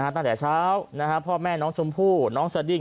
ตั้งแต่เช้าพ่อแม่น้องชมพู่น้องสดิ้ง